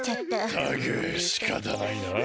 ったくしかたないなあ。